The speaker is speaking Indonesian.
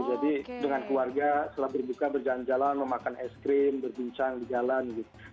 jadi dengan keluarga setelah berbuka berjalan jalan memakan es krim berbincang jalan gitu